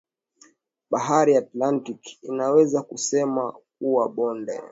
bahari ya atlantic Inaweza kusema kuwa bonde